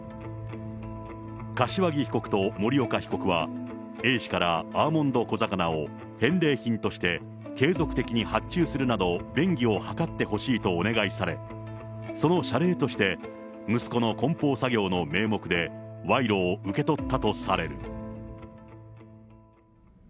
柏木被告と森岡被告は、Ａ氏からアーモンド小魚を返礼品として継続的に発注するなど、便宜を図ってほしいとお願いされ、その謝礼として、息子のこん包作業の名目で、賄賂を受け取ったとされる。